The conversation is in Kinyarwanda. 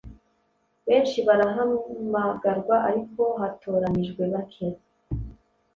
benshi barahamagarwa ariko hatoranijwe bake